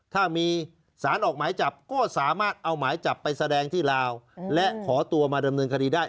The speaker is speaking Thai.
ถ้ามีสารออกหมายจับก็สามารถเอาหมายจับไปแสดงที่ลาวและขอตัวมาดำเนินคดีได้